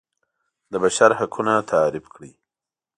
د بشر حقونه تعریف کړي.